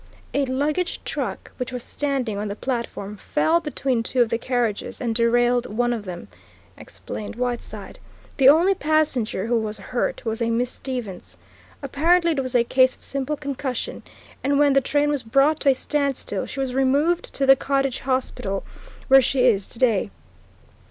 "A luggage truck which was standing on the platform fell between two of the carriages and derailed one of them," explained Whiteside. "The only passenger who was hurt was a Miss Stevens. Apparently it was a case of simple concussion, and when the train was brought to a standstill she was removed to the Cottage Hospital, where she is to day.